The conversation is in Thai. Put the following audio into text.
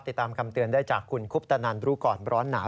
ติดตามคำเตือนได้จากคุณคุปตนันรู้ก่อนร้อนหนาว